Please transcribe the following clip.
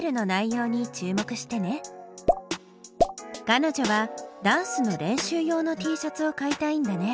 かのじょはダンスの練習用のＴシャツを買いたいんだね。